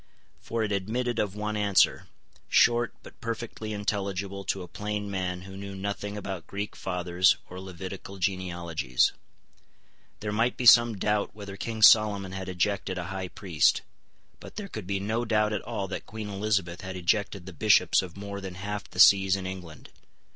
For it admitted of one answer, short, but perfectly intelligible to a plain man who knew nothing about Greek fathers or Levitical genealogies. There might be some doubt whether King Solomon had ejected a high priest; but there could be no doubt at all that Queen Elizabeth had ejected the Bishops of more than half the sees in England.